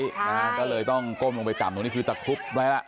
ใช่ก็เลยต้องก้มลงไปจับตรงนี้คือตะคลุบได้แล้ว